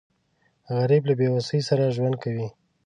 غریب له بېوسۍ سره ژوند کوي